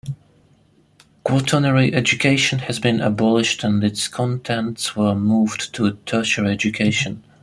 Quaternary education has been abolished and its contents were moved to tertiary education.